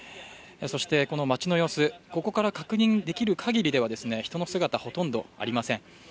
そして、街の様子、ここから確認できる限りでは人の姿、ほとんどありません。